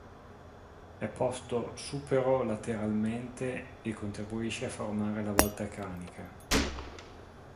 È posto supero-lateralmente e contribuisce a formare la volta cranica.